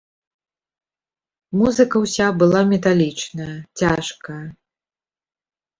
Музыка ўся была металічная, цяжкая.